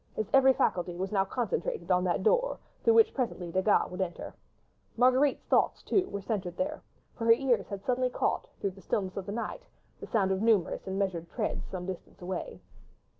His every faculty was now concentrated on that door through which presently Desgas would enter. Marguerite's thoughts, too, were centred there, for her ears had suddenly caught, through the stillness of the night, the sound of numerous and measured treads some distance away.